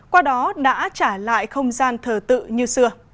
qua đó đã trả lại không gian thờ tự như xưa